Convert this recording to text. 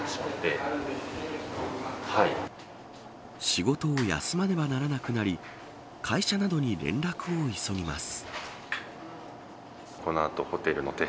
仕事を休まねばならなくなり会社などに連絡を急ぎます。